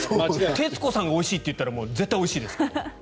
徹子さんがおいしいって言ったら絶対においしいです。